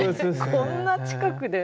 こんな近くで。